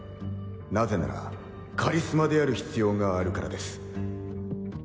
なぜならカリスマである必要があるからです。